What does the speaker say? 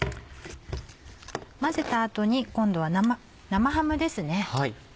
混ぜた後に今度は生ハムですね。